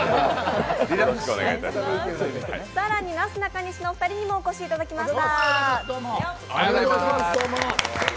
更に、なすなかにしのお二人にもお越しいただきました。